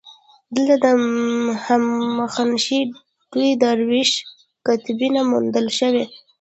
دلته د هخامنشي دورې د داریوش کتیبه موندل شوې